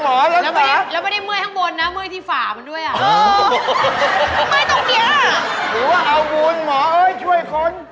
หรือว่าเอาวุญหมอเอ้ยช่วยคน